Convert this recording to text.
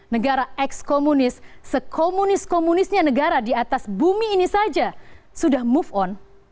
negara ekskomunis sekomunis komunisnya negara di atas bumi ini saja sudah move on